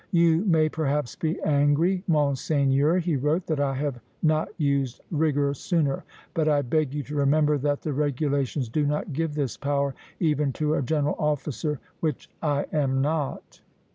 "You may perhaps be angry, Monseigneur," he wrote, "that I have not used rigor sooner; but I beg you to remember that the regulations do not give this power even to a general officer, which I am not."